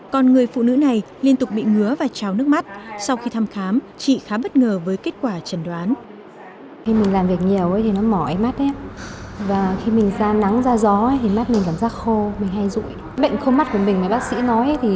còn người phụ nữ này liên tục bị ngứa và trào nước mắt sau khi thăm khám chị khá bất ngờ với kết quả trần đoán